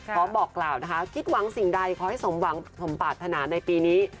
บอกกล่าวนะคะคิดหวังสิ่งใดขอให้สมหวังสมปรารถนาในปีนี้